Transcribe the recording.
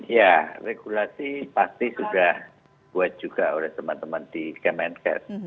ya regulasi pasti sudah buat juga oleh teman teman di kemenkes